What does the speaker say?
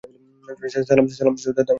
সালাম ছিল তামিলনাড়ুর বৃহত্তম জেলা।